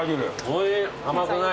おいしい。